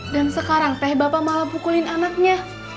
dan sekarang teh bapak malah pukulin anaknya